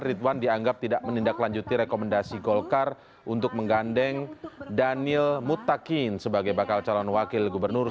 ridwan dianggap tidak menindaklanjuti rekomendasi golkar untuk menggandeng daniel mutakin sebagai bakal calon wakil gubernur